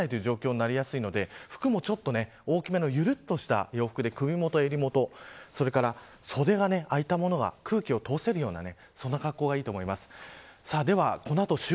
汗を発散できない状態になりやすいので服も大きめのゆるっとした洋服で首元、襟元それから、袖が開いたものが空気を通せるような格好がいいと思います。